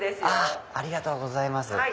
ありがとうございます。